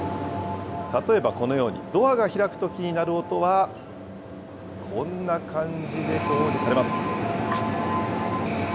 例えばこのように、ドアが開くときに鳴る音はこんな感じで表示されます。